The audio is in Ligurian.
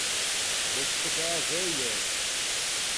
Desccegæ e veie!